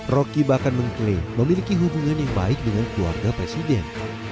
rocky bahkan mengklaim memiliki hubungan yang baik dengan keluarga presiden